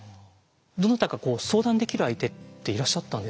どなたかこう相談できる相手っていらっしゃったんですか？